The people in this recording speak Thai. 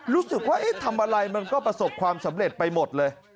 รู้สึกว่าทำอะไรมันก็ประสบความสำเร็จไปหมดเลย